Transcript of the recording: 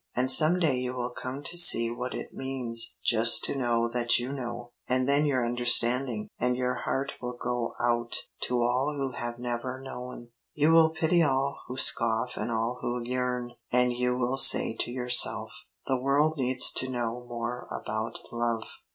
And some day you will come to see what it means just to know that you know, and then your understanding and your heart will go out to all who have never known. You will pity all who scoff and all who yearn, and you will say to yourself: 'The world needs to know more about love.